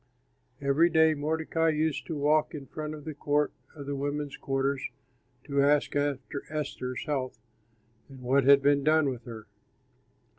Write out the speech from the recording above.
Every day Mordecai used to walk in front of the court of the women's quarters to ask after Esther's health and what had been done with her.